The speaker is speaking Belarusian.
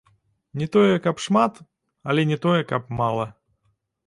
Не тое, каб шмат, але не тое, каб мала.